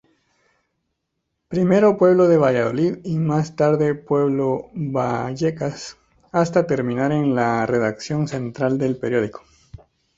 Primero Pueblo-Valladolid y más tarde Pueblo-Vallecas hasta terminar en la redacción central del periódico.